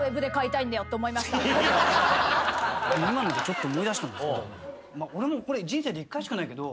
今のでちょっと思い出したんですけど俺もこれ。